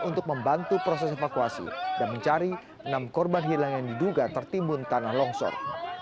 untuk membantu proses evakuasi dan mencari enam korban hilang yang diduga tertimbun tanah longsor